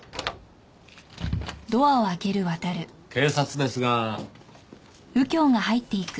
警察ですが。